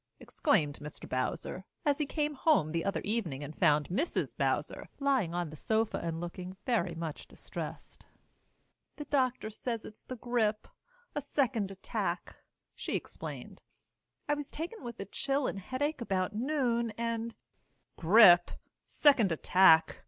exclaimed Mr. Bowser, as he came home the other evening and found Mrs. Bowser lying on the sofa and looking very much distressed. "The doctor says it's the grip a second attack," she explained. "I was taken with a chill and headache about noon and " "Grip? Second attack?